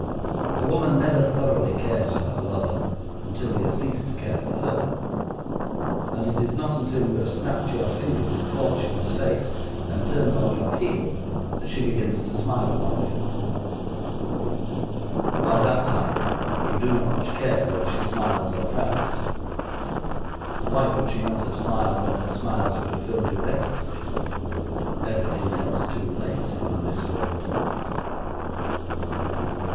A woman never thoroughly cares for her lover until he has ceased to care for her; and it is not until you have snapped your fingers in Fortune's face and turned on your heel that she begins to smile upon you. But by that time you do not much care whether she smiles or frowns. Why could she not have smiled when her smiles would have filled you with ecstasy? Everything comes too late in this world.